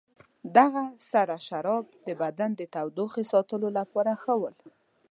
دغه سره شراب د بدن د تودوخې ساتلو لپاره ښه ول.